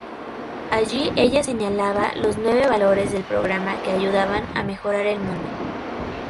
Allí ella señalaba los nueve valores del programa que ayudan a mejorar el mundo.